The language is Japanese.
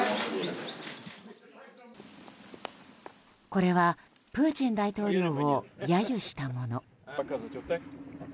これはプーチン大統領を揶揄したもの。